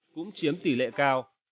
cũng chiếm tỷ lệ cao